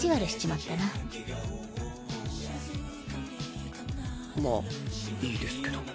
まっいいですけど。